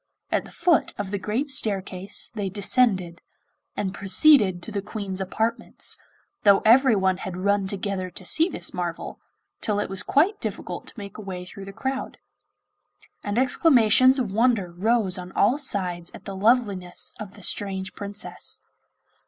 At the foot of the great staircase they descended, and proceeded to the Queen's apartments, though everyone had run together to see this marvel, till it was quite difficult to make a way through the crowd; and exclamations of wonder rose on all sides at the loveliness of the strange Princess.